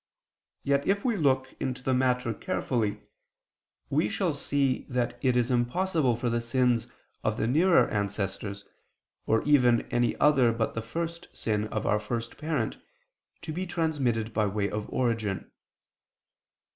Yet if we look into the matter carefully we shall see that it is impossible for the sins of the nearer ancestors, or even any other but the first sin of our first parent to be transmitted by way of origin.